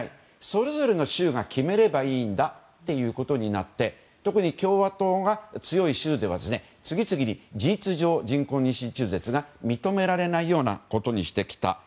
それぞれの州が決めればいいんだということになって特に共和党が強い州では次々に事実上、人工妊娠中絶が認められないようなことにしてきた。